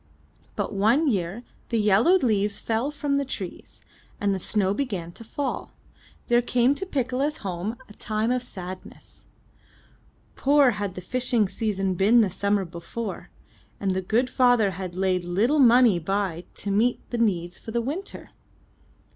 But one year, when the yellowed leaves fell from the trees, and the snow began to fall, there came to Piccola's home a time of sadness. Poor had the fishing season been the summer before, and the good father had laid little money by to meet their needs for the winter.